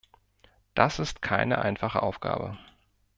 Das ist keine einfache Aufgabe.